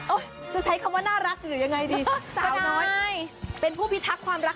จะใช้คำว่าน่ารักหรือยังไงดีสาวน้อยเป็นผู้พิทักษ์ความรัก